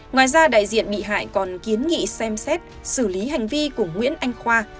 ngoài ra đại diện bị hại còn kiến nghị xem xét xử lý hành vi của nguyễn anh khoa